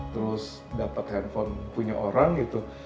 terus dapat handphone punya orang gitu